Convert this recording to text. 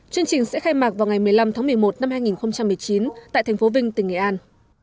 chương trình sẽ khai mạc vào ngày một mươi năm tháng một mươi một năm hai nghìn một mươi chín tại thành phố vinh tỉnh nghệ an